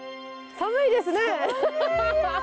寒いですね！